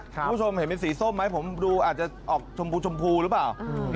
คุณผู้ชมเห็นเป็นสีส้มไหมผมดูอาจจะออกชมพูชมพูหรือเปล่า